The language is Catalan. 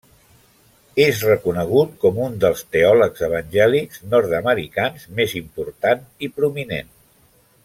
És reconegut com un dels teòlegs evangèlics nord-americans més important i prominent.